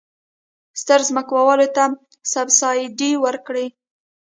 ستر ځمکوالو ته سبسایډي ورکړي.